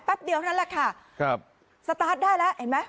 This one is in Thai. เดียวเท่านั้นแหละค่ะครับสตาร์ทได้แล้วเห็นไหม